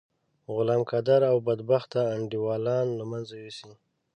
غلام قادر او بدبخته انډيوالان له منځه یوسی.